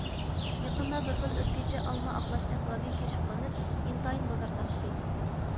يېقىندا بىر خىل ئۆزگىچە ئالما ئاقلاش ئەسۋابى كەشىپ قىلىنىپ، ئىنتايىن بازار تاپتى.